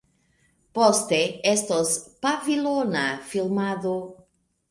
Poste estos pavilona filmado.